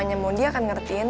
iya iya bener yuk yuk